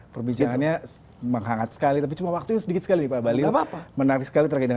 perbincangannya menghangat sekali tapi cuma waktu sedikit sekali pak bali apa menangis kali terkait